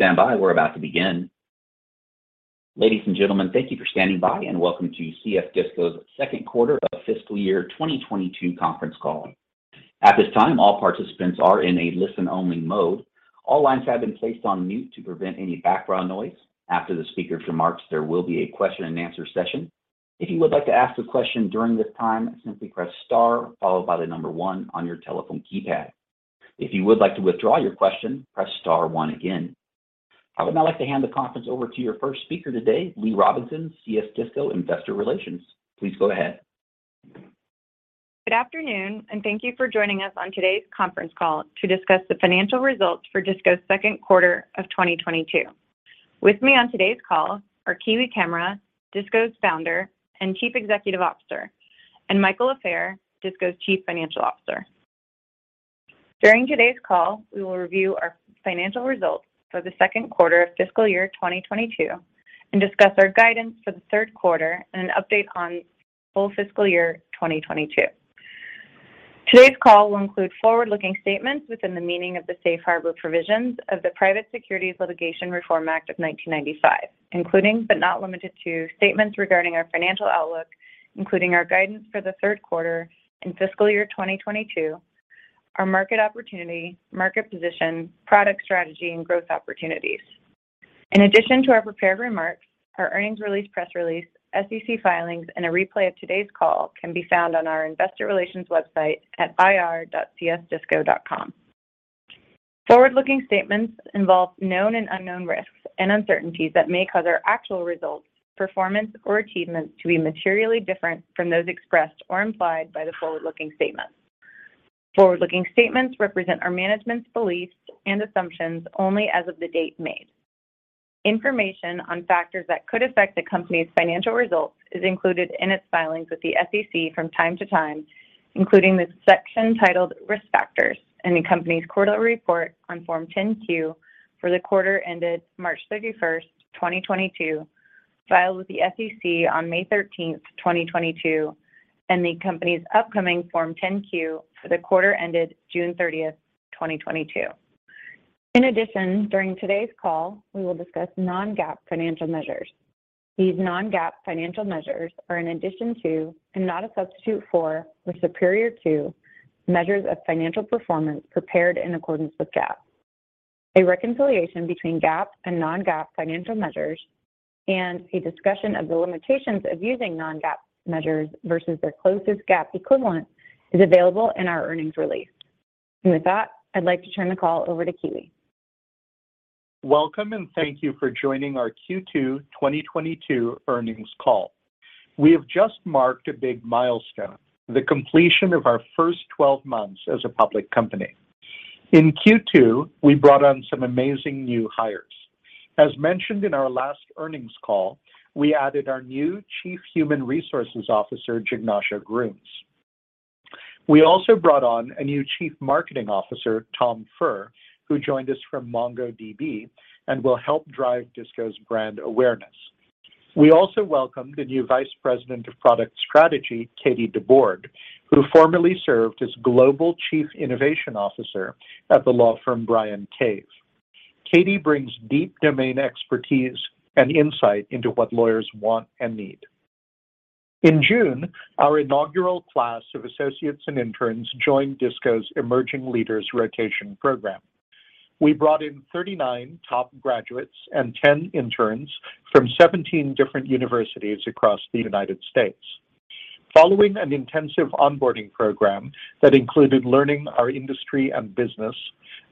Please stand by. We're about to begin. Ladies and gentlemen, thank you for standing by, and welcome to CS Disco's second quarter of fiscal year 2022 conference call. At this time, all participants are in a listen-only mode. All lines have been placed on mute to prevent any background noise. After the speaker's remarks, there will be a question and answer session. If you would like to ask a question during this time, simply press star followed by the number one on your telephone keypad. If you would like to withdraw your question, press star one again. I would now like to hand the conference over to your first speaker today, Lee Robinson, CS Disco, Investor Relations. Please go ahead. Good afternoon, and thank you for joining us on today's conference call to discuss the financial results for Disco's second quarter of 2022. With me on today's call are Kiwi Camara, Disco's Founder and Chief Executive Officer, and Michael Lafair, Disco's Chief Financial Officer. During today's call, we will review our financial results for the second quarter of fiscal year 2022 and discuss our guidance for the third quarter and an update on full fiscal year 2022. Today's call will include forward-looking statements within the meaning of the safe harbor provisions of the Private Securities Litigation Reform Act of 1995, including, but not limited to, statements regarding our financial outlook, including our guidance for the third quarter in fiscal year 2022, our market opportunity, market position, product strategy, and growth opportunities. In addition to our prepared remarks, our earnings release, press release, SEC filings, and a replay of today's call can be found on our investor relations website at ir.csdisco.com. Forward-looking statements involve known and unknown risks and uncertainties that may cause our actual results, performance, or achievements to be materially different from those expressed or implied by the forward-looking statements. Forward-looking statements represent our management's beliefs and assumptions only as of the date made. Information on factors that could affect the company's financial results is included in its filings with the SEC from time to time, including the section titled Risk Factors in the company's quarterly report on Form 10-Q for the quarter ended March 31, 2022, filed with the SEC on May 13, 2022, and the company's upcoming Form 10-Q for the quarter ended June 30, 2022. In addition, during today's call, we will discuss non-GAAP financial measures. These non-GAAP financial measures are an addition to, and not a substitute for, or superior to, measures of financial performance prepared in accordance with GAAP. A reconciliation between GAAP and non-GAAP financial measures and a discussion of the limitations of using non-GAAP measures versus their closest GAAP equivalent is available in our earnings release. With that, I'd like to turn the call over to Kiwi Camara. Welcome and thank you for joining our Q2 2022 earnings call. We have just marked a big milestone, the completion of our first 12 months as a public company. In Q2, we brought on some amazing new hires. As mentioned in our last earnings call, we added our new Chief Human Resources Officer, Jignasha Grooms. We also brought on a new Chief Marketing Officer, Tom Furr, who joined us from MongoDB and will help drive Disco's brand awareness. We also welcomed a new Vice President of Product Strategy, Katie DeBord, who formerly served as Global Chief Innovation Officer at the law firm Bryan Cave. Katie brings deep domain expertise and insight into what lawyers want and need. In June, our inaugural class of associates and interns joined DISCO's Emerging Leader Rotation Program. We brought in 39 top graduates and 10 interns from 17 different universities across the United States. Following an intensive onboarding program that included learning our industry and business,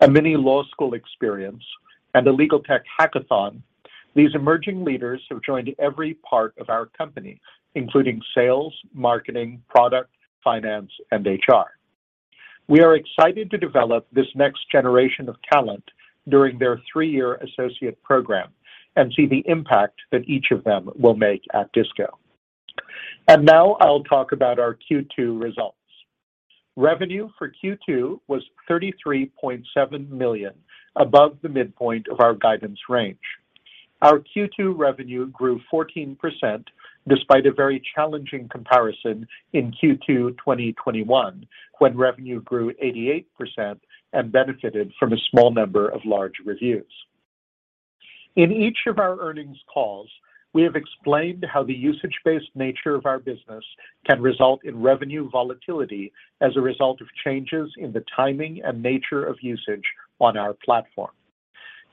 a mini law school experience, and a legal tech hackathon, these emerging leaders have joined every part of our company, including sales, marketing, product, finance, and HR. We are excited to develop this next generation of talent during their three-year associate program and see the impact that each of them will make at DISCO. Now I'll talk about our Q2 results. Revenue for Q2 was $33.7 million, above the midpoint of our guidance range. Our Q2 revenue grew 14% despite a very challenging comparison in Q2 2021, when revenue grew 88% and benefited from a small number of large reviews. In each of our earnings calls, we have explained how the usage-based nature of our business can result in revenue volatility as a result of changes in the timing and nature of usage on our platform.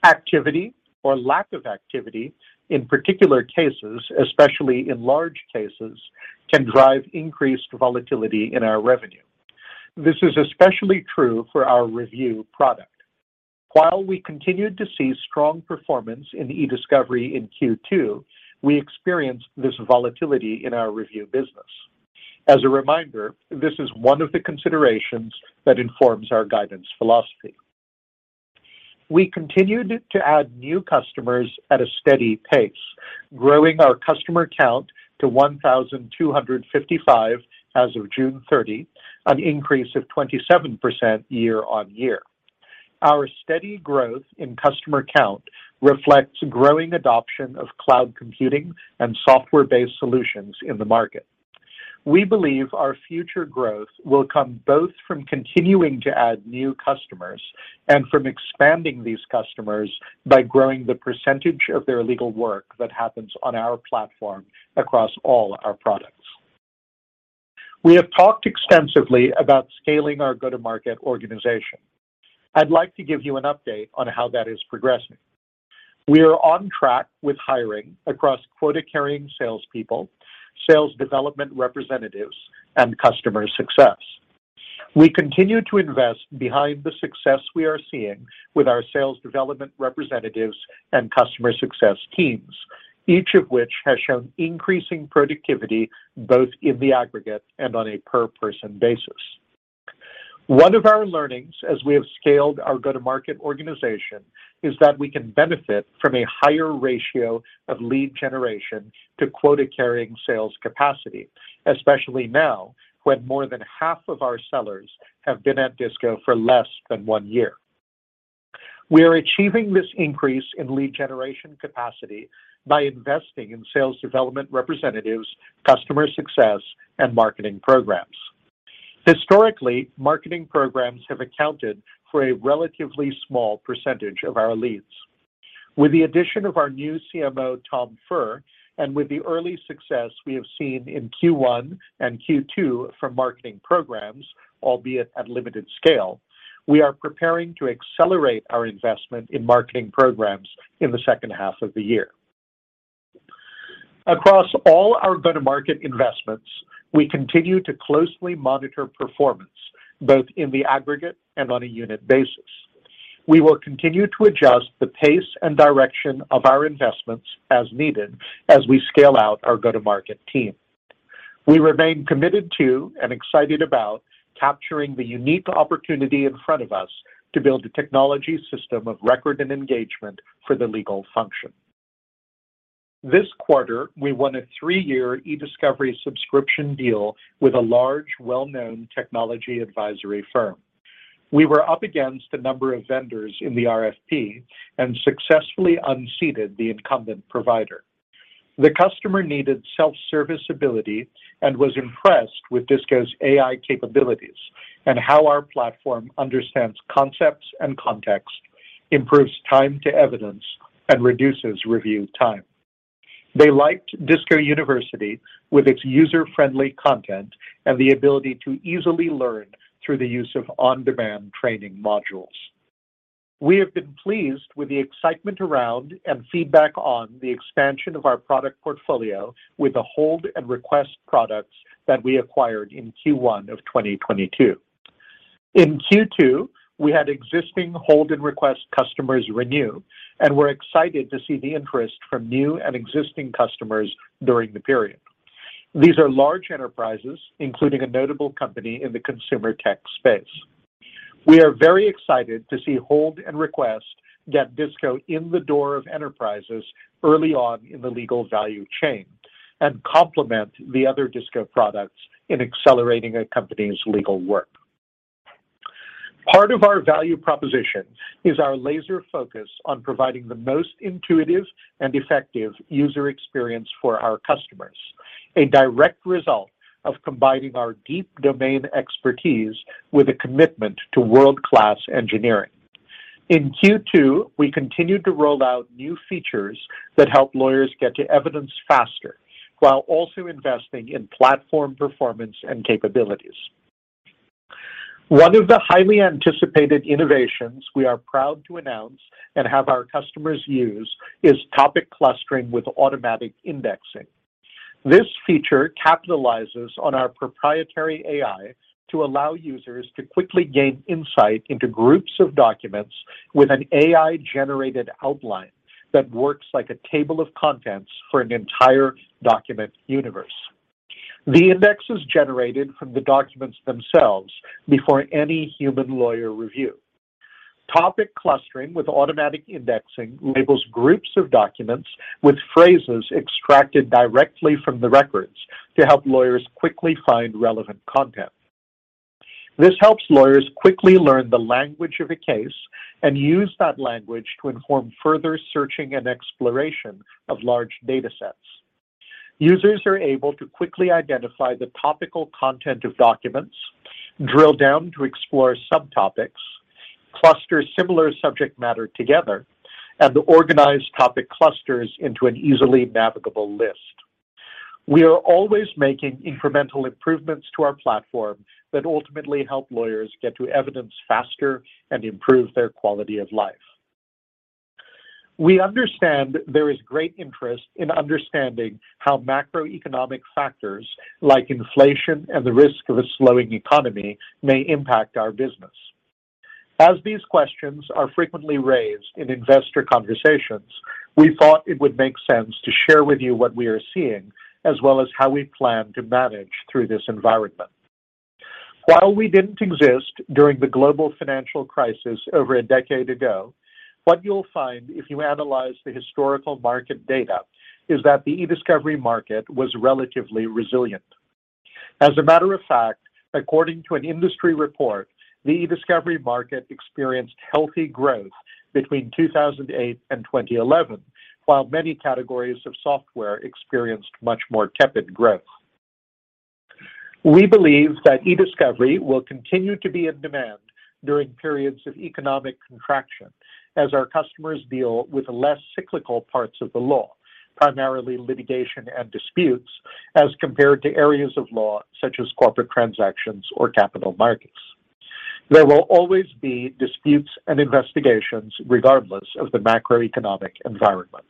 Activity or lack of activity in particular cases, especially in large cases, can drive increased volatility in our revenue. This is especially true for our review product. While we continued to see strong performance in e-discovery in Q2, we experienced this volatility in our review business. As a reminder, this is one of the considerations that informs our guidance philosophy. We continued to add new customers at a steady pace, growing our customer count to 1,255 as of June 30, an increase of 27% year-over-year. Our steady growth in customer count reflects growing adoption of cloud computing and software-based solutions in the market. We believe our future growth will come both from continuing to add new customers and from expanding these customers by growing the percentage of their legal work that happens on our platform across all our products. We have talked extensively about scaling our go-to-market organization. I'd like to give you an update on how that is progressing. We are on track with hiring across quota-carrying salespeople, sales development representatives, and customer success. We continue to invest behind the success we are seeing with our sales development representatives and customer success teams, each of which has shown increasing productivity both in the aggregate and on a per-person basis. One of our learnings as we have scaled our go-to-market organization is that we can benefit from a higher ratio of lead generation to quota-carrying sales capacity, especially now, when more than half of our sellers have been at DISCO for less than 1 year. We are achieving this increase in lead generation capacity by investing in sales development representatives, customer success, and marketing programs. Historically, marketing programs have accounted for a relatively small percentage of our leads. With the addition of our new CMO, Tom Furr, and with the early success we have seen in Q1 and Q2 from marketing programs, albeit at limited scale, we are preparing to accelerate our investment in marketing programs in the second half of the year. Across all our go-to-market investments, we continue to closely monitor performance, both in the aggregate and on a unit basis. We will continue to adjust the pace and direction of our investments as needed as we scale out our go-to-market team. We remain committed to and excited about capturing the unique opportunity in front of us to build a technology system of record and engagement for the legal function. This quarter, we won a three-year e-discovery subscription deal with a large, well-known technology advisory firm. We were up against a number of vendors in the RFP and successfully unseated the incumbent provider. The customer needed self-service ability and was impressed with DISCO's AI capabilities and how our platform understands concepts and context, improves time to evidence, and reduces review time. They liked DISCO University with its user-friendly content and the ability to easily learn through the use of on-demand training modules. We have been pleased with the excitement around and feedback on the expansion of our product portfolio with the DISCO Hold and DISCO Request products that we acquired in Q1 of 2022. In Q2, we had existing DISCO Hold and DISCO Request customers renew, and we're excited to see the interest from new and existing customers during the period. These are large enterprises, including a notable company in the consumer tech space. We are very excited to see DISCO Hold and DISCO Request get DISCO in the door of enterprises early on in the legal value chain and complement the other DISCO products in accelerating a company's legal work. Part of our value proposition is our laser focus on providing the most intuitive and effective user experience for our customers, a direct result of combining our deep domain expertise with a commitment to world-class engineering. In Q2, we continued to roll out new features that help lawyers get to evidence faster while also investing in platform performance and capabilities. One of the highly anticipated innovations we are proud to announce and have our customers use is topic clustering with automatic indexing. This feature capitalizes on our proprietary AI to allow users to quickly gain insight into groups of documents with an AI-generated outline that works like a table of contents for an entire document universe. The index is generated from the documents themselves before any human lawyer review. Topic clustering with automatic indexing labels groups of documents with phrases extracted directly from the records to help lawyers quickly find relevant content. This helps lawyers quickly learn the language of a case and use that language to inform further searching and exploration of large data sets. Users are able to quickly identify the topical content of documents, drill down to explore subtopics, cluster similar subject matter together, and organize topic clusters into an easily navigable list. We are always making incremental improvements to our platform that ultimately help lawyers get to evidence faster and improve their quality of life. We understand there is great interest in understanding how macroeconomic factors like inflation and the risk of a slowing economy may impact our business. As these questions are frequently raised in investor conversations, we thought it would make sense to share with you what we are seeing, as well as how we plan to manage through this environment. While we didn't exist during the global financial crisis over a decade ago, what you'll find if you analyze the historical market data is that the e-discovery market was relatively resilient. As a matter of fact, according to an industry report. The eDiscovery market experienced healthy growth between 2008 and 2011, while many categories of software experienced much more tepid growth. We believe that eDiscovery will continue to be in demand during periods of economic contraction as our customers deal with the less cyclical parts of the law, primarily litigation and disputes, as compared to areas of law such as corporate transactions or capital markets. There will always be disputes and investigations regardless of the macroeconomic environment.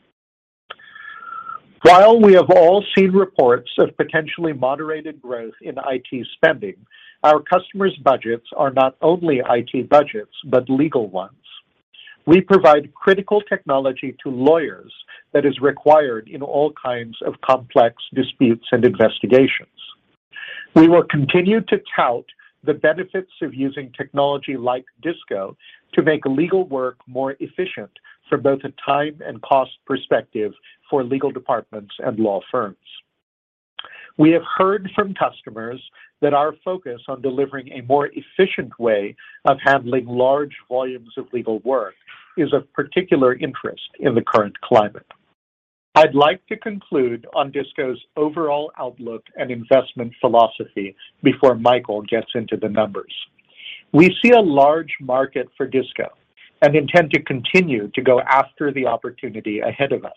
While we have all seen reports of potentially moderated growth in IT spending, our customers' budgets are not only IT budgets, but legal ones. We provide critical technology to lawyers that is required in all kinds of complex disputes and investigations. We will continue to tout the benefits of using technology like Disco to make legal work more efficient from both a time and cost perspective for legal departments and law firms. We have heard from customers that our focus on delivering a more efficient way of handling large volumes of legal work is of particular interest in the current climate. I'd like to conclude on Disco's overall outlook and investment philosophy before Michael gets into the numbers. We see a large market for Disco and intend to continue to go after the opportunity ahead of us.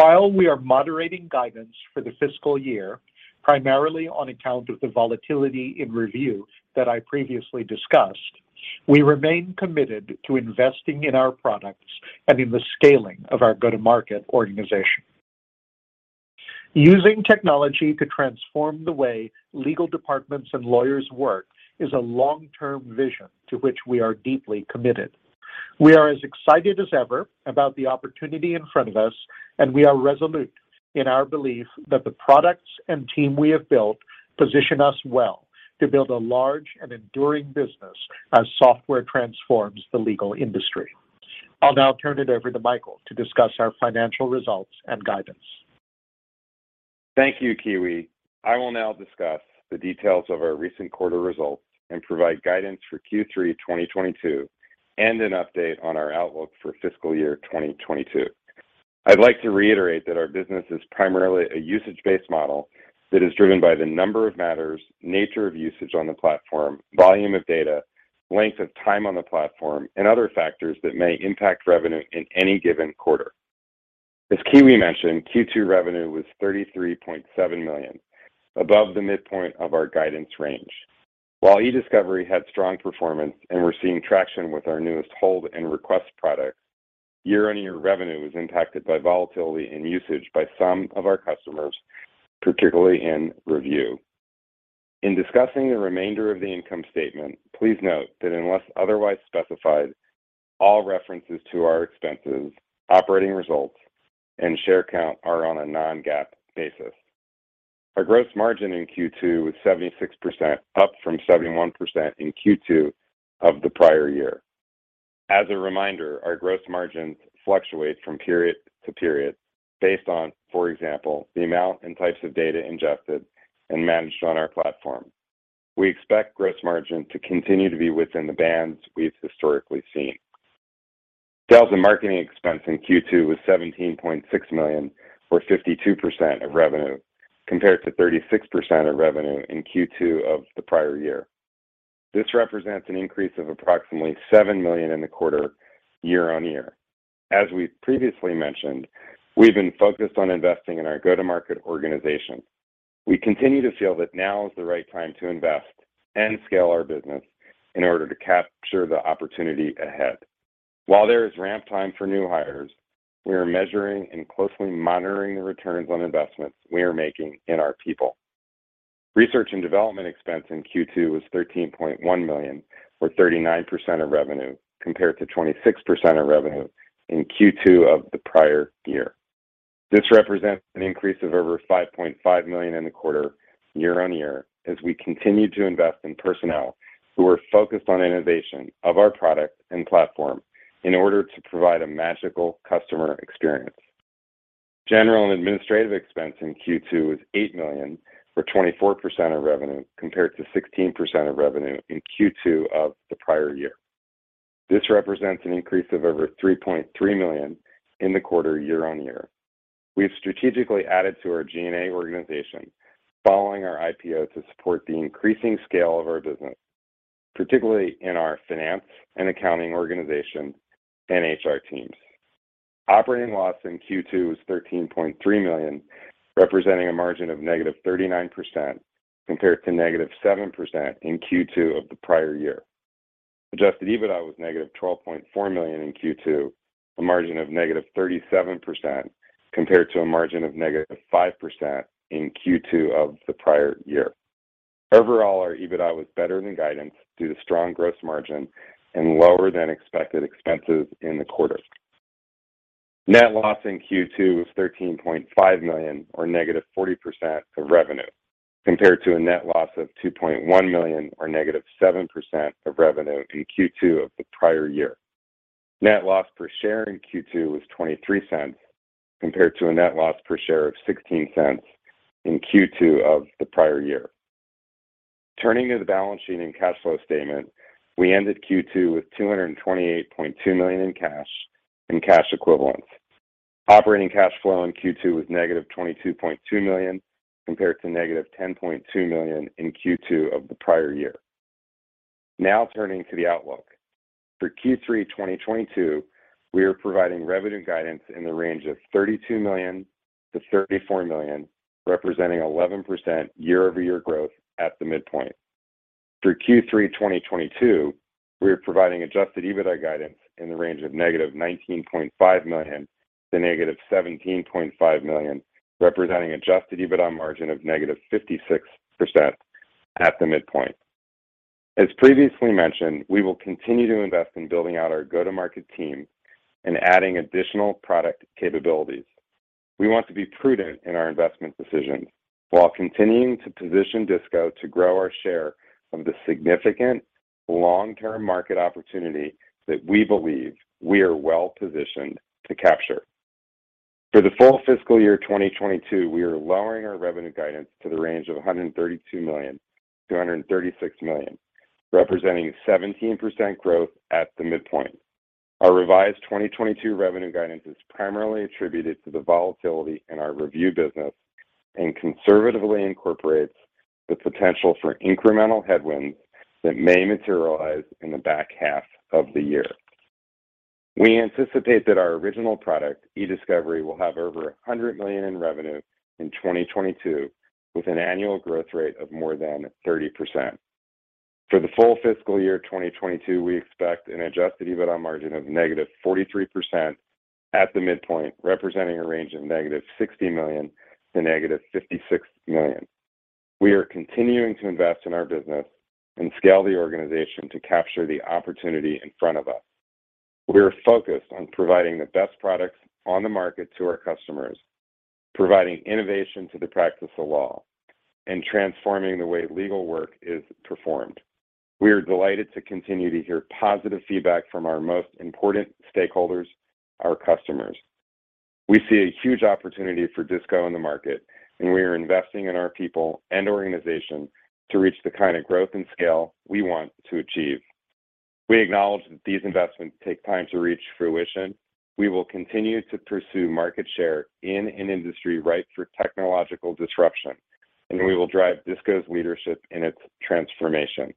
While we are moderating guidance for the fiscal year, primarily on account of the volatility in review that I previously discussed, we remain committed to investing in our products and in the scaling of our go-to-market organization. Using technology to transform the way legal departments and lawyers work is a long-term vision to which we are deeply committed. We are as excited as ever about the opportunity in front of us, and we are resolute in our belief that the products and team we have built position us well to build a large and enduring business as software transforms the legal industry. I'll now turn it over to Michael to discuss our financial results and guidance. Thank you, Kiwi. I will now discuss the details of our recent quarter results and provide guidance for Q3 2022, and an update on our outlook for fiscal year 2022. I'd like to reiterate that our business is primarily a usage-based model that is driven by the number of matters, nature of usage on the platform, volume of data, length of time on the platform, and other factors that may impact revenue in any given quarter. As Kiwi mentioned, Q2 revenue was $33.7 million, above the midpoint of our guidance range. While eDiscovery had strong performance and we're seeing traction with our newest Hold and Request products, year-on-year revenue was impacted by volatility in usage by some of our customers, particularly in Review. In discussing the remainder of the income statement, please note that unless otherwise specified, all references to our expenses, operating results, and share count are on a non-GAAP basis. Our gross margin in Q2 was 76%, up from 71% in Q2 of the prior year. As a reminder, our gross margins fluctuate from period to period based on, for example, the amount and types of data ingested and managed on our platform. We expect gross margin to continue to be within the bands we've historically seen. Sales and marketing expense in Q2 was $17.6 million, or 52% of revenue, compared to 36% of revenue in Q2 of the prior year. This represents an increase of approximately $7 million in the quarter year-on-year. As we previously mentioned, we've been focused on investing in our go-to-market organization. We continue to feel that now is the right time to invest and scale our business in order to capture the opportunity ahead. While there is ramp time for new hires, we are measuring and closely monitoring the returns on investments we are making in our people. Research and development expense in Q2 was $13.1 million, or 39% of revenue, compared to 26% of revenue in Q2 of the prior year. This represents an increase of over $5.5 million in the quarter year-on-year as we continue to invest in personnel who are focused on innovation of our product and platform in order to provide a magical customer experience. General and administrative expense in Q2 was $8 million, or 24% of revenue, compared to 16% of revenue in Q2 of the prior year. This represents an increase of over $3.3 million in the quarter year-on-year. We have strategically added to our G&A organization following our IPO to support the increasing scale of our business, particularly in our finance and accounting organization and HR teams. Operating loss in Q2 was $13.3 million, representing a margin of -39%, compared to -7% in Q2 of the prior year. Adjusted EBITDA was -$12.4 million in Q2, a margin of -37%, compared to a margin of -5% in Q2 of the prior year. Overall, our EBITDA was better than guidance due to strong gross margin and lower than expected expenses in the quarter. Net loss in Q2 was $13.5 million or -40% of revenue, compared to a net loss of $2.1 million or -7% of revenue in Q2 of the prior year. Net loss per share in Q2 was $0.23 compared to a net loss per share of $0.16 in Q2 of the prior year. Turning to the balance sheet and cash flow statement, we ended Q2 with $228.2 million in cash and cash equivalents. Operating cash flow in Q2 was -$22.2 million, compared to -$10.2 million in Q2 of the prior year. Now turning to the outlook. For Q3 2022, we are providing revenue guidance in the range of $32 million-$34 million, representing 11% year-over-year growth at the midpoint. For Q3 2022, we are providing adjusted EBITDA guidance in the range of -$19.5 million-$17.5 million, representing adjusted EBITDA margin of -56% at the midpoint. As previously mentioned, we will continue to invest in building out our go-to-market team and adding additional product capabilities. We want to be prudent in our investment decisions while continuing to position Disco to grow our share from the significant long-term market opportunity that we believe we are well-positioned to capture. For the full fiscal year 2022, we are lowering our revenue guidance to the range of $132 million-$136 million, representing 17% growth at the midpoint. Our revised 2022 revenue guidance is primarily attributed to the volatility in our review business and conservatively incorporates the potential for incremental headwinds that may materialize in the back half of the year. We anticipate that our original product, DISCO Ediscovery, will have over $100 million in revenue in 2022, with an annual growth rate of more than 30%. For the full fiscal year 2022, we expect an adjusted EBITDA margin of -43% at the midpoint, representing a range of -$60 million to -$56 million. We are continuing to invest in our business and scale the organization to capture the opportunity in front of us. We are focused on providing the best products on the market to our customers, providing innovation to the practice of law, and transforming the way legal work is performed. We are delighted to continue to hear positive feedback from our most important stakeholders, our customers. We see a huge opportunity for Disco in the market, and we are investing in our people and organization to reach the kind of growth and scale we want to achieve. We acknowledge that these investments take time to reach fruition. We will continue to pursue market share in an industry ripe for technological disruption, and we will drive Disco's leadership in its transformation.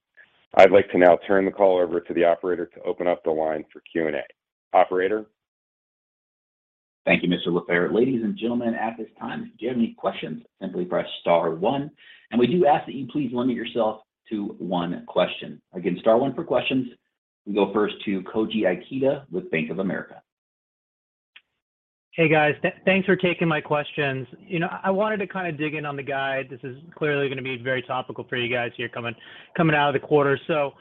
I'd like to now turn the call over to the operator to open up the line for Q&A. Operator. Thank you, Mr. Lafair. Ladies and gentlemen, at this time, if you have any questions, simply press star one, and we do ask that you please limit yourself to one question. Again, star one for questions. We go first to Koji Ikeda with Bank of America. Hey, guys. Thanks for taking my questions. You know, I wanted to kinda dig in on the guide. This is clearly gonna be very topical for you guys here coming out of the quarter. So,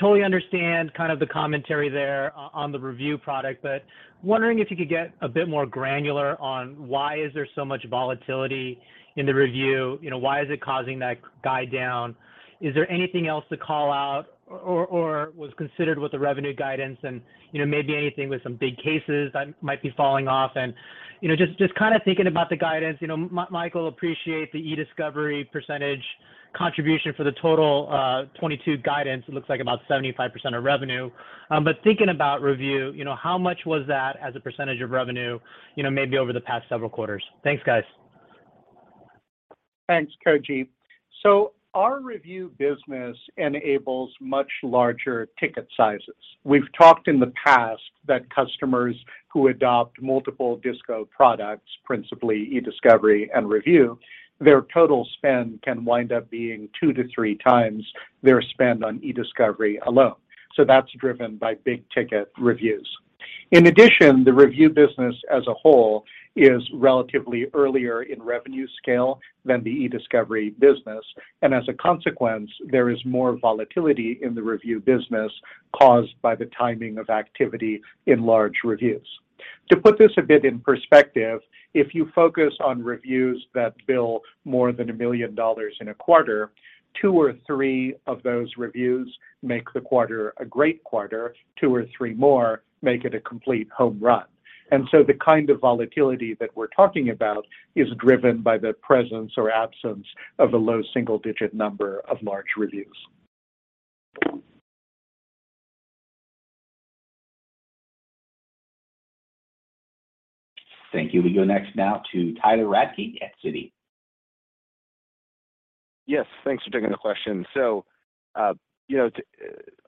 totally understand kind of the commentary there on the review product, but wondering if you could get a bit more granular on why is there so much volatility in the review. You know, why is it causing that guide down? Is there anything else to call out or was considered with the revenue guidance and, you know, maybe anything with some big cases that might be falling off? You know, just kinda thinking about the guidance. You know, Michael Lafair, appreciate the eDiscovery percentage contribution for the total, 2022 guidance. It looks like about 75% of revenue. Thinking about review, you know, how much was that as a percentage of revenue, you know, maybe over the past several quarters? Thanks, guys. Thanks, Koji. Our review business enables much larger ticket sizes. We've talked in the past that customers who adopt multiple Disco products, principally eDiscovery and review, their total spend can wind up being two to three times their spend on eDiscovery alone. That's driven by big-ticket reviews. In addition, the review business as a whole is relatively earlier in revenue scale than the eDiscovery business, and as a consequence, there is more volatility in the review business caused by the timing of activity in large reviews. To put this a bit in perspective, if you focus on reviews that bill more than $1 million in a quarter, two or three of those reviews make the quarter a great quarter, two or three more make it a complete home run. The kind of volatility that we're talking about is driven by the presence or absence of a low single-digit number of large reviews. Thank you. We go next now to Tyler Radke at Citi. Yes, thanks for taking the question. You know,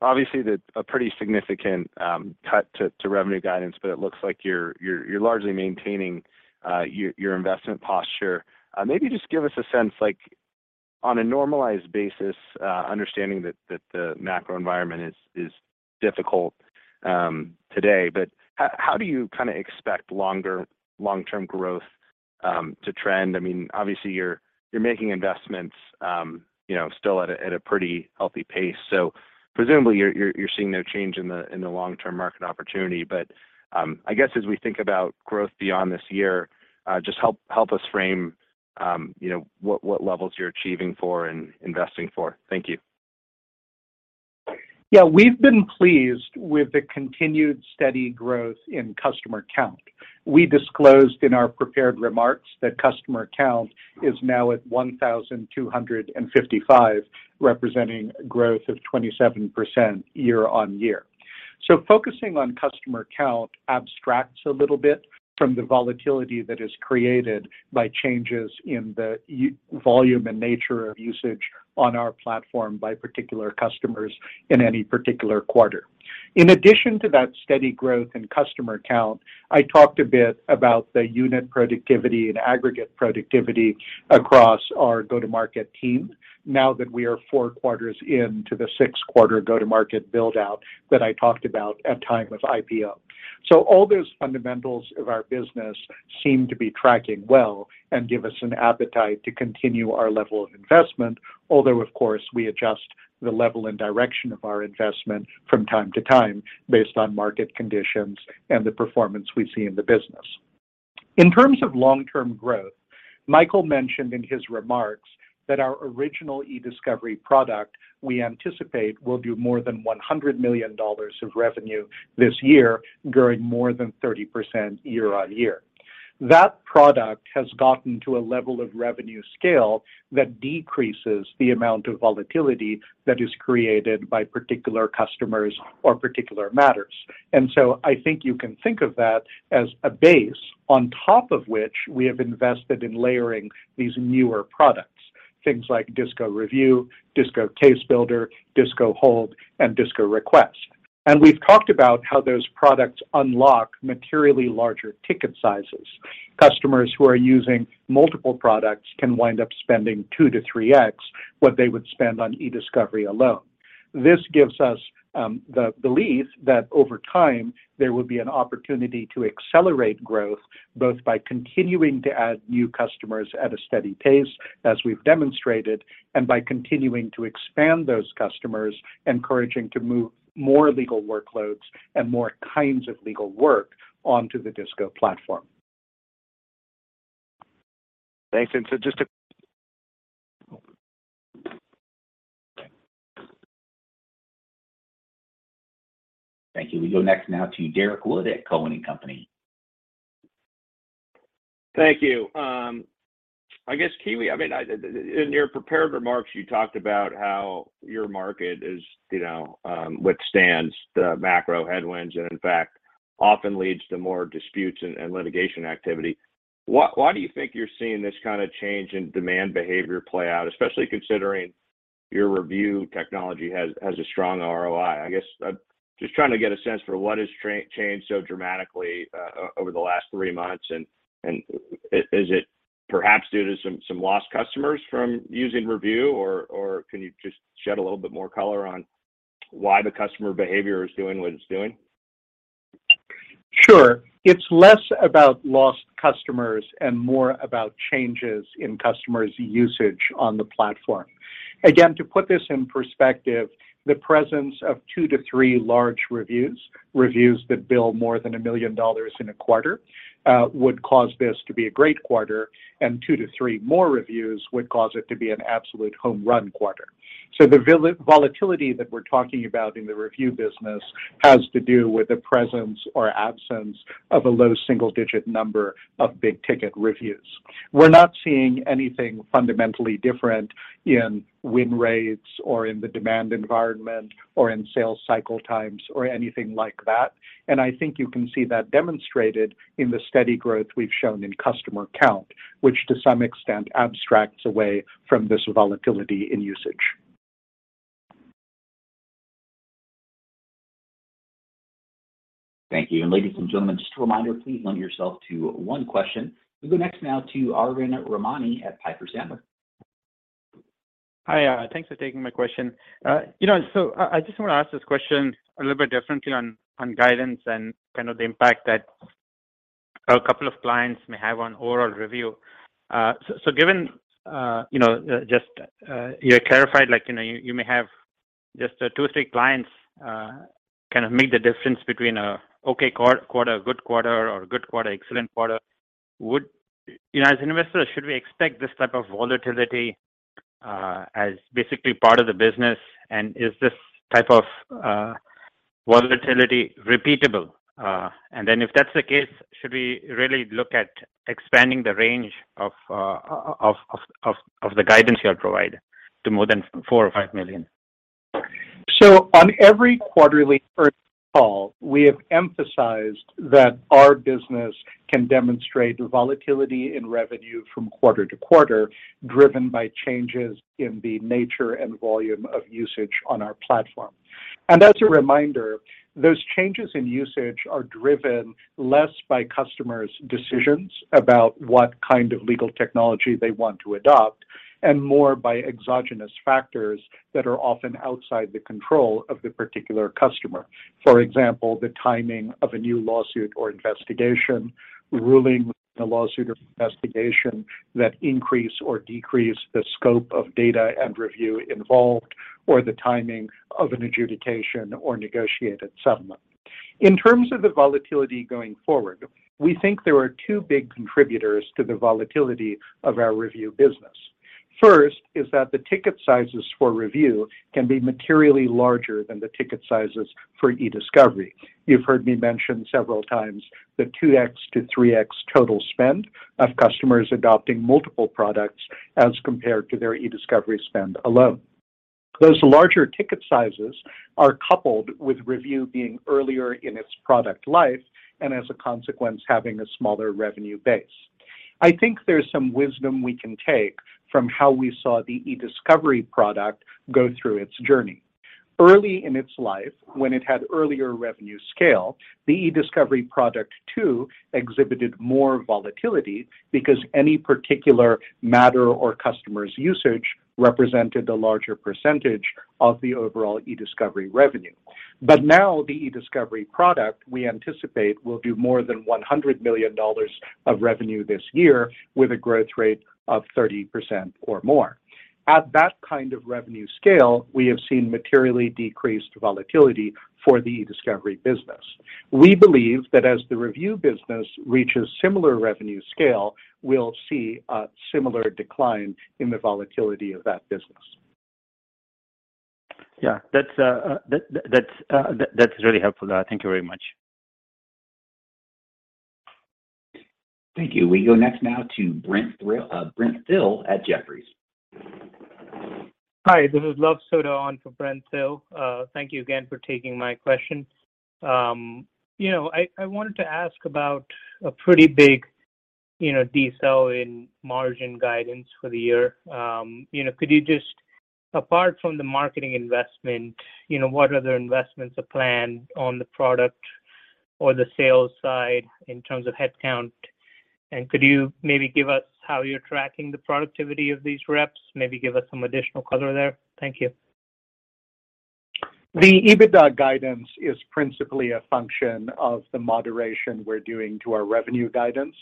obviously a pretty significant cut to revenue guidance, but it looks like you're largely maintaining your investment posture. Maybe just give us a sense, like on a normalized basis, understanding that the macro environment is difficult today, but how do you kinda expect long-term growth to trend? I mean, obviously you're making investments, you know, still at a pretty healthy pace. Presumably you're seeing no change in the long-term market opportunity. But I guess as we think about growth beyond this year, just help us frame You know, what levels you're achieving for and investing for. Thank you. Yeah. We've been pleased with the continued steady growth in customer count. We disclosed in our prepared remarks that customer count is now at 1,255, representing growth of 27% year-on-year. Focusing on customer count abstracts a little bit from the volatility that is created by changes in the volume and nature of usage on our platform by particular customers in any particular quarter. In addition to that steady growth in customer count, I talked a bit about the unit productivity and aggregate productivity across our go-to-market team now that we are four quarters into the six-quarter go-to-market build-out that I talked about at time of IPO. All those fundamentals of our business seem to be tracking well and give us an appetite to continue our level of investment. Although, of course, we adjust the level and direction of our investment from time to time based on market conditions and the performance we see in the business. In terms of long-term growth, Michael mentioned in his remarks that our original e-discovery product we anticipate will do more than $100 million of revenue this year, growing more than 30% year-over-year. That product has gotten to a level of revenue scale that decreases the amount of volatility that is created by particular customers or particular matters. I think you can think of that as a base on top of which we have invested in layering these newer products. Things like DISCO Review, DISCO Case Builder, DISCO Hold, and DISCO Request. We've talked about how those products unlock materially larger ticket sizes. Customers who are using multiple products can wind up spending 2-3x what they would spend on e-discovery alone. This gives us the belief that over time, there will be an opportunity to accelerate growth, both by continuing to add new customers at a steady pace, as we've demonstrated, and by continuing to expand those customers, encouraging to move more legal workloads and more kinds of legal work onto the DISCO platform. Thanks. Thank you. We go next now to Derrick Wood at Cowen and Company. Thank you. I guess, Kiwi, in your prepared remarks, you talked about how your market withstands the macro headwinds, and in fact, often leads to more disputes and litigation activity. Why do you think you're seeing this kinda change in demand behavior play out, especially considering your review technology has a strong ROI? I guess I'm just trying to get a sense for what has changed so dramatically over the last three months. Is it perhaps due to some lost customers from using review? Or can you just shed a little bit more color on why the customer behavior is doing what it's doing? Sure. It's less about lost customers and more about changes in customers' usage on the platform. Again, to put this in perspective, the presence of two to three large reviews that bill more than $1 million in a quarter, would cause this to be a great quarter, and two to three more reviews would cause it to be an absolute home run quarter. The volatility that we're talking about in the review business has to do with the presence or absence of a low single-digit number of big-ticket reviews. We're not seeing anything fundamentally different in win rates or in the demand environment or in sales cycle times or anything like that. I think you can see that demonstrated in the steady growth we've shown in customer count, which to some extent abstracts away from this volatility in usage. Thank you. Ladies and gentlemen, just a reminder, please limit yourself to one question. We go next now to Arvind Ramnani at Piper Sandler. Hi. Thanks for taking my question. You know, so I just wanna ask this question a little bit differently on guidance and kind of the impact that a couple of clients may have on overall review. So given you know just clarified, like you know you may have just two or three clients kind of make the difference between an okay quarter, good quarter or a good quarter, excellent quarter. You know, as investors, should we expect this type of volatility as basically part of the business? And is this type of volatility repeatable? And then if that's the case, should we really look at expanding the range of the guidance you have provided to more than $4 million or $5 million? On every quarterly earnings call, we have emphasized that our business can demonstrate volatility in revenue from quarter to quarter, driven by changes in the nature and volume of usage on our platform. As a reminder, those changes in usage are driven less by customers' decisions about what kind of legal technology they want to adopt, and more by exogenous factors that are often outside the control of the particular customer. For example, the timing of a new lawsuit or investigation, ruling in a lawsuit or investigation that increase or decrease the scope of data and review involved, or the timing of an adjudication or negotiated settlement. In terms of the volatility going forward, we think there are two big contributors to the volatility of our review business. First is that the ticket sizes for review can be materially larger than the ticket sizes for eDiscovery. You've heard me mention several times the 2x-3x total spend of customers adopting multiple products as compared to their eDiscovery spend alone. Those larger ticket sizes are coupled with review being earlier in its product life, and as a consequence, having a smaller revenue base. I think there's some wisdom we can take from how we saw the eDiscovery product go through its journey. Early in its life, when it had earlier revenue scale, the eDiscovery product too exhibited more volatility because any particular matter or customer's usage represented a larger percentage of the overall eDiscovery revenue. Now the eDiscovery product we anticipate will do more than $100 million of revenue this year with a growth rate of 30% or more. At that kind of revenue scale, we have seen materially decreased volatility for the eDiscovery business. We believe that as the review business reaches similar revenue scale, we'll see a similar decline in the volatility of that business. Yeah. That's really helpful. Thank you very much. Thank you. We go next now to Brent Thill at Jefferies. Hi, this is Luv Sodha for Brent Thill. Thank you again for taking my question. You know, I wanted to ask about a pretty big, you know, delta in margin guidance for the year. You know, could you just apart from the marketing investment, you know, what other investments are planned on the product or the sales side in terms of headcount? Could you maybe give us how you're tracking the productivity of these reps? Maybe give us some additional color there. Thank you. The EBITDA guidance is principally a function of the moderation we're doing to our revenue guidance.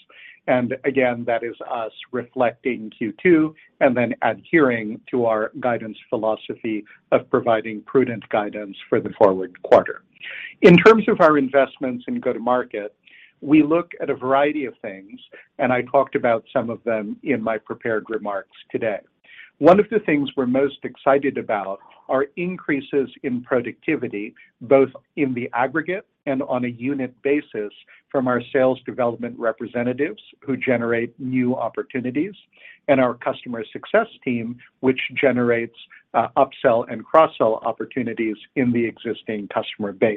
Again, that is us reflecting Q2 and then adhering to our guidance philosophy of providing prudent guidance for the forward quarter. In terms of our investments in go-to-market, we look at a variety of things, and I talked about some of them in my prepared remarks today. One of the things we're most excited about are increases in productivity, both in the aggregate and on a unit basis from our sales development representatives who generate new opportunities, and our customer success team, which generates, upsell and cross-sell opportunities in the existing customer base.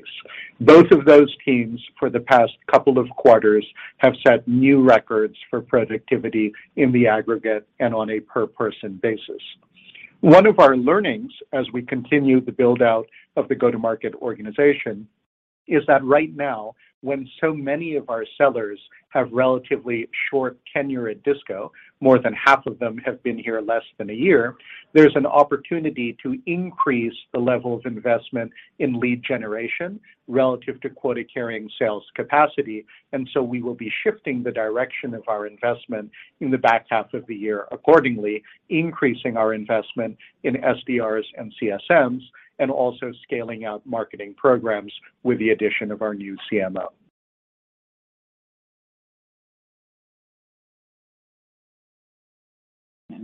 Both of those teams for the past couple of quarters have set new records for productivity in the aggregate and on a per person basis. One of our learnings as we continue the build-out of the go-to-market organization is that right now, when so many of our sellers have relatively short tenure at DISCO, more than half of them have been here less than a year, there's an opportunity to increase the level of investment in lead generation relative to quota-carrying sales capacity, and so we will be shifting the direction of our investment in the back half of the year, accordingly, increasing our investment in SDRs and CSMs, and also scaling out marketing programs with the addition of our new CMO.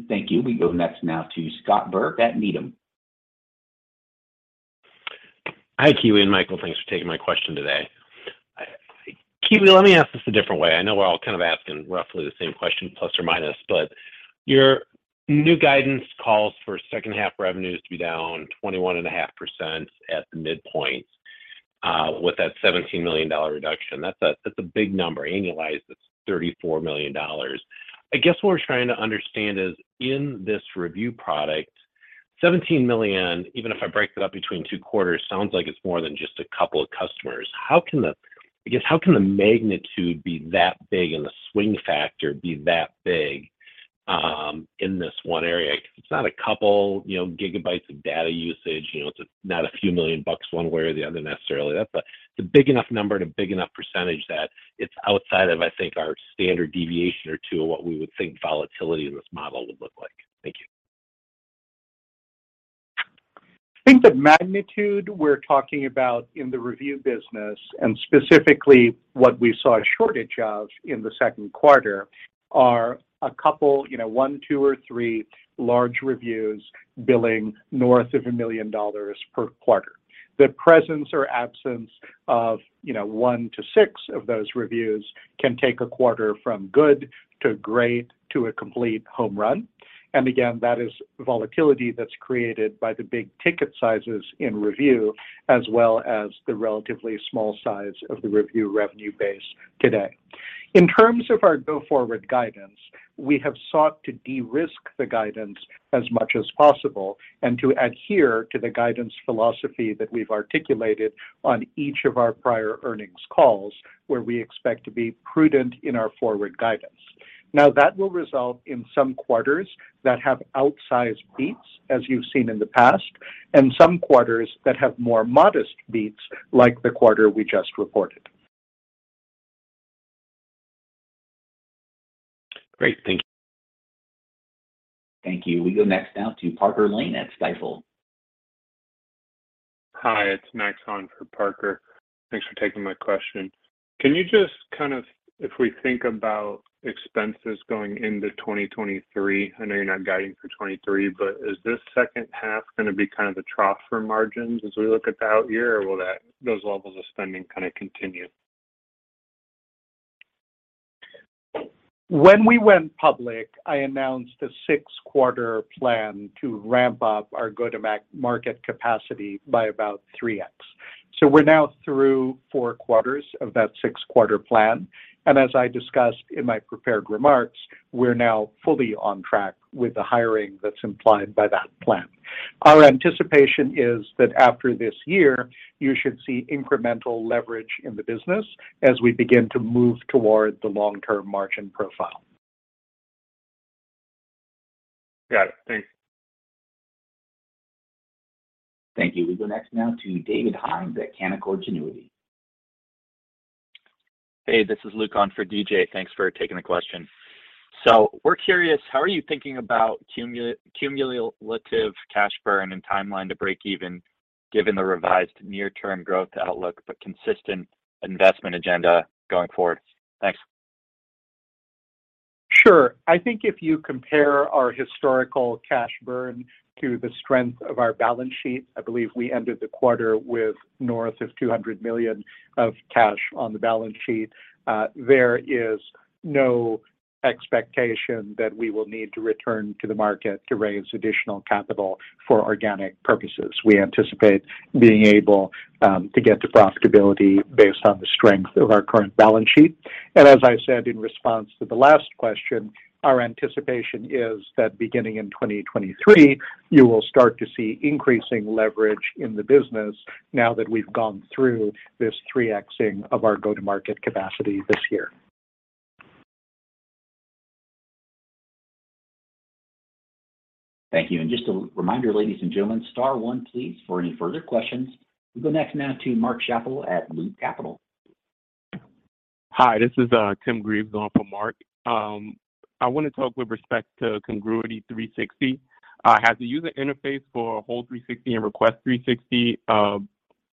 Thank you. We go next now to Scott Berg at Needham & Company. Hi, Kiwi and Michael, thanks for taking my question today. Kiwi, let me ask this a different way. I know we're all kind of asking roughly the same question, plus or minus, but your new guidance calls for second half revenues to be down 21.5% at the midpoint, with that $17 million reduction. That's a big number. Annualized, it's $34 million. I guess what we're trying to understand is in this review product, $17 million, even if I break that up between two quarters, sounds like it's more than just a couple of customers. I guess how can the magnitude be that big and the swing factor be that big, in this one area? 'Cause it's not a couple, you know, gigabytes of data usage. You know, it's not a few million bucks one way or the other, necessarily. That's a, it's a big enough number and a big enough percentage that it's outside of, I think, our standard deviation or two of what we would think volatility in this model would look like. Thank you. I think the magnitude we're talking about in the review business, and specifically what we saw a shortage of in the second quarter, are a couple, you know, one, two, or three large reviews billing north of $1 million per quarter. The presence or absence of, you know, one to six of those reviews can take a quarter from good to great to a complete home run. Again, that is volatility that's created by the big ticket sizes in review, as well as the relatively small size of the review revenue base today. In terms of our go-forward guidance, we have sought to de-risk the guidance as much as possible and to adhere to the guidance philosophy that we've articulated on each of our prior earnings calls, where we expect to be prudent in our forward guidance. Now, that will result in some quarters that have outsized beats, as you've seen in the past, and some quarters that have more modest beats, like the quarter we just reported. Great. Thank you. Thank you. We go next now to Parker Lane at Stifel. Hi, it's Max on for Parker. Thanks for taking my question. Can you just kind of, if we think about expenses going into 2023, I know you're not guiding for 2023, but is this second half gonna be kind of the trough for margins as we look at the out year, or will those levels of spending kinda continue? When we went public, I announced a Q6 plan to ramp up our go-to-market capacity by about 3x. We're now through four quarters of that Q6 plan. As I discussed in my prepared remarks, we're now fully on track with the hiring that's implied by that plan. Our anticipation is that after this year, you should see incremental leverage in the business as we begin to move towards the long-term margin profile. Got it. Thanks. Thank you. We go next now to David Hynes at Canaccord Genuity. Hey, this is Luke on for DJ. Thanks for taking the question. We're curious, how are you thinking about cumulative relative cash burn and timeline to break even given the revised near-term growth outlook, but consistent investment agenda going forward? Thanks. Sure. I think if you compare our historical cash burn to the strength of our balance sheet, I believe we ended the quarter with north of $200 million of cash on the balance sheet. There is no expectation that we will need to return to the market to raise additional capital for organic purposes. We anticipate being able to get to profitability based on the strength of our current balance sheet. As I said in response to the last question, our anticipation is that beginning in 2023, you will start to see increasing leverage in the business now that we've gone through this 3x-ing of our go-to-market capacity this year. Thank you. Just a reminder, ladies and gentlemen, star one, please, for any further questions. We go next now to Mark Schappel at Loop Capital. Hi, this is Tim Greaves on for Mark. I wanna talk with respect to Congruity360. Has the user interface for Hold360 and Request360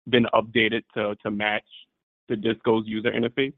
been updated to match DISCO's user interface?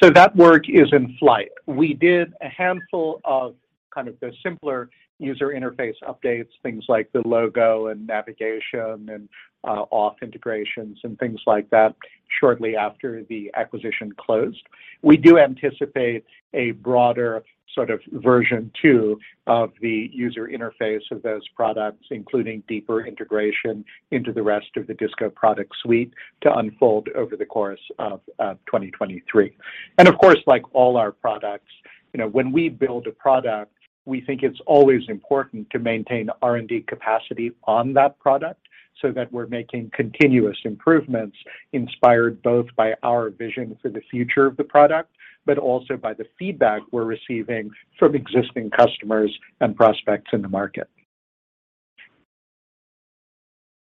That work is in flight. We did a handful of kind of the simpler user interface updates, things like the logo and navigation and auth integrations and things like that shortly after the acquisition closed. We do anticipate a broader sort of version two of the user interface of those products, including deeper integration into the rest of the DISCO product suite to unfold over the course of 2023. Of course, like all our products, you know, when we build a product, we think it's always important to maintain R&D capacity on that product so that we're making continuous improvements inspired both by our vision for the future of the product, but also by the feedback we're receiving from existing customers and prospects in the market.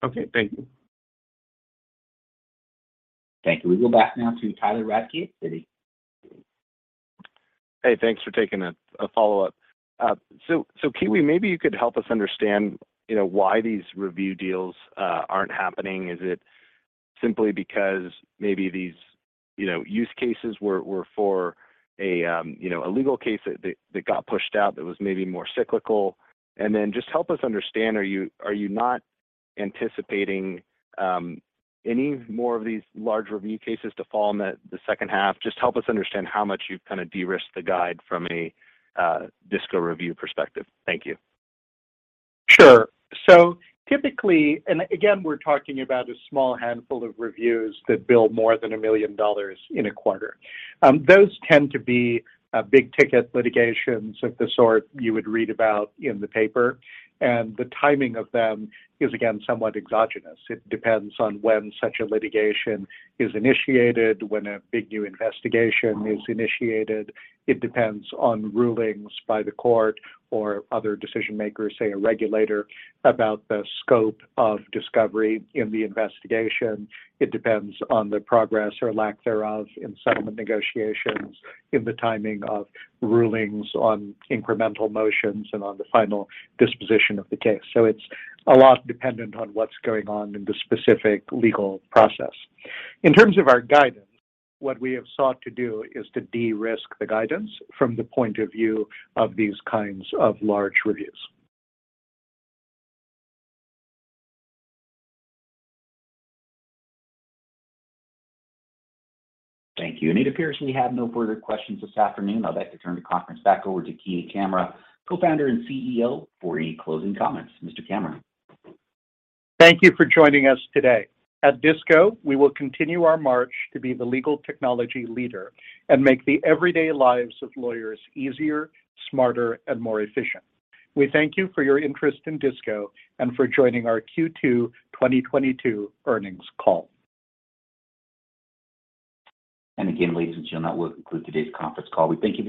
Okay, thank you. Thank you. We go back now to Tyler Radke at Citi. Hey, thanks for taking it. A follow-up. So Kiwi, maybe you could help us understand, you know, why these review deals aren't happening. Is it simply because maybe these, you know, use cases were for a legal case that got pushed out that was maybe more cyclical? Then just help us understand, are you not anticipating any more of these large review cases to fall in the second half? Just help us understand how much you've kinda de-risked the guide from a DISCO Review perspective. Thank you. Sure. Typically, and again, we're talking about a small handful of reviews that build more than $1 million in a quarter. Those tend to be big-ticket litigations of the sort you would read about in the paper, and the timing of them is, again, somewhat exogenous. It depends on when such a litigation is initiated, when a big new investigation is initiated. It depends on rulings by the court or other decision-makers, say, a regulator, about the scope of discovery in the investigation. It depends on the progress or lack thereof in settlement negotiations, in the timing of rulings on incremental motions and on the final disposition of the case. It's a lot dependent on what's going on in the specific legal process. In terms of our guidance, what we have sought to do is to de-risk the guidance from the point of view of these kinds of large reviews. Thank you. It appears we have no further questions this afternoon. I'd like to turn the conference back over to Kiwi Camara, Co-founder and CEO, for any closing comments. Mr. Camara. Thank you for joining us today. At Disco, we will continue our march to be the legal technology leader and make the everyday lives of lawyers easier, smarter, and more efficient. We thank you for your interest in Disco and for joining our Q2 2022 earnings call. Again, ladies and gentlemen, that will conclude today's conference call. We thank you for your participation.